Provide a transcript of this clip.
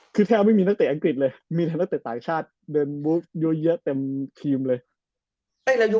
คือแทบมีนักเตะอังกฤษเลยมีแทบนักเตะต่างชาติมีเยอะเยอะแต่มทีมเลย